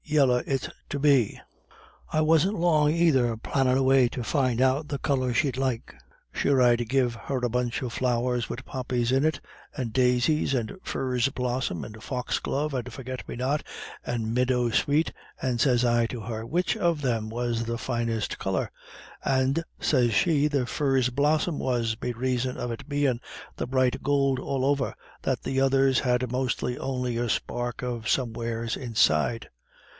Yella it's to be. I wasn't long aither plannin' a way to find out the colour she'd like. Sure, I gave her a bunch of flowers wid poppies in it, and daisies, and furze blossom, and foxglove, and forgit me not, and midowsweet, and sez I to her, which of thim was the finest coloured. And, sez she, the furze blossom was, be raison of it bein' the bright gould all over, that the others had mostly only a spark of somewheres inside.